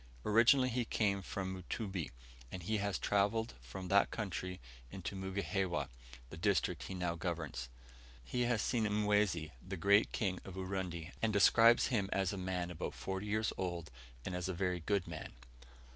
Originally he came from Mutumbi, and he has travelled from that country into Mugihewa, the district he now governs. He has seen Mwezi, the great King of Urundi, and describes him as a man about forty years old, and as a very good man.